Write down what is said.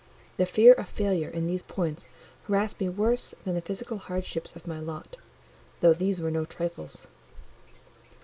The fear of failure in these points harassed me worse than the physical hardships of my lot; though these were no trifles.